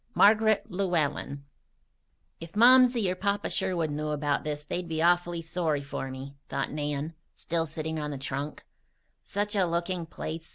MARGARET LLEWELLEN "If Momsey or Papa Sherwood knew about this they'd be awfully sorry for me," thought Nan, still sitting on the trunk. "Such a looking place!